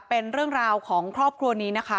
เป็นเรื่องราวของครอบครัวนี้นะคะ